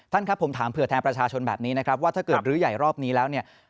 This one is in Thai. ครับผมถามเผื่อแทนประชาชนแบบนี้นะครับว่าถ้าเกิดรื้อใหญ่รอบนี้แล้วเนี่ย